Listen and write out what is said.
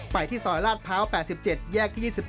ไปที่สอยราชพร้าว๘๗แยก๒๘